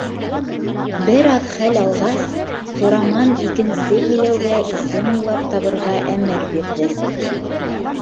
Бер аҙ хәл алғас, Сураман икенсе иләүгә исем уйлап табырға әмер бирҙе.